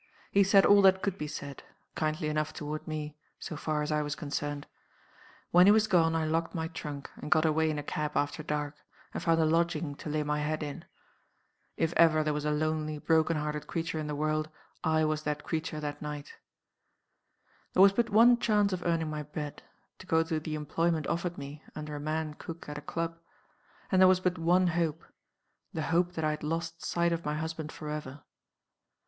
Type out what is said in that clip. He said all that could be said kindly enough toward me, so far as I was concerned. When he was gone I locked my trunk, and got away in a cab after dark, and found a lodging to lay my head in. If ever there was a lonely, broken hearted creature in the world, I was that creature that night. "There was but one chance of earning my bread to go to the employment offered me (under a man cook, at a club). And there was but one hope the hope that I had lost sight of my husband forever.